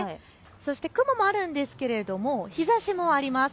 そして雲もあるんですけど日ざしもあります。